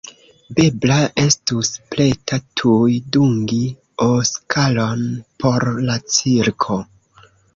Bebra estus preta tuj dungi Oskaron por la cirko.